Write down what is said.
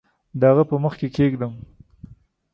د هغه په مخ کې کښېږدم